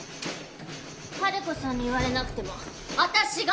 ハルコさんに言われなくてもあたしが！